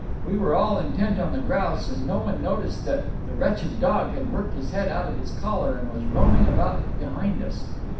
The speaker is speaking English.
We were all intent on the grouse, and no one noticed that that wretched dog had worked his head out of his collar and was roaming about behind us.